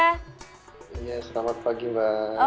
selamat pagi mbak